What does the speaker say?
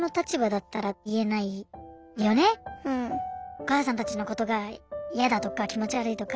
お母さんたちのことが嫌だとか気持ち悪いとか。